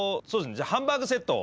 じゃあハンバーグセットを。